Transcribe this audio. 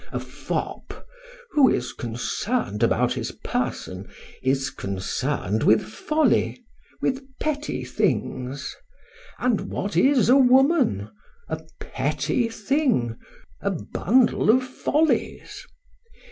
A fop, who is concerned about his person, is concerned with folly, with petty things. And what is a woman? A petty thing, a bundle of follies.